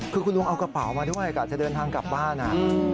คือคุณลุงเอากระเป๋ามาด้วยกะจะเดินทางกลับบ้าน